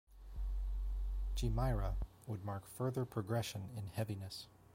"Chimaira" would mark further progression in heaviness.